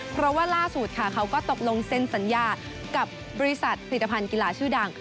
เพราะว่าล่าสุดค่ะเขาก็ตกลงเซ็นสัญญากับบริษัทผลิตภัณฑ์กีฬาชื่อดัง